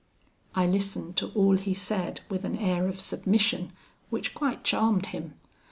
"I listened to all he said with an air of submission, which quite charmed him.